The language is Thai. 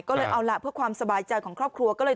ก็เลยเอาล่ะเพื่อความสบายใจของครอบครัวก็เลย